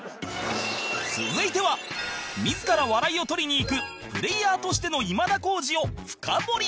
続いては自ら笑いを取りにいくプレイヤーとしての今田耕司を深掘り！